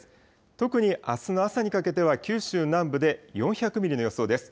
特にあすの朝にかけては、九州南部で４００ミリの予想です。